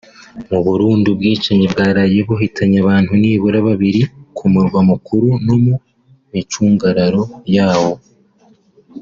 Mu Burundi ubwicanyi bwaraye buhitanye abantu nibura babiri ku murwa mukuru no mu micungararo yawo